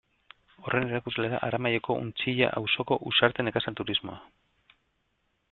Horren erakusle da Aramaioko Untzilla auzoko Uxarte Nekazal Turismoa.